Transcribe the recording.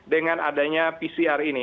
dengan adanya pcr ini